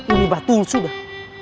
ini batu sudah